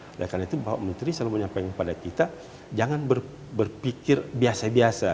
oleh karena itu bapak menteri selalu menyampaikan kepada kita jangan berpikir biasa biasa